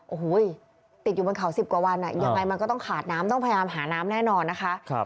โอ้โหติดอยู่บนเขา๑๐กว่าวันยังไงมันก็ต้องขาดน้ำต้องพยายามหาน้ำแน่นอนนะคะ